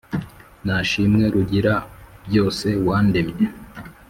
nashimwe rugira byose wandemye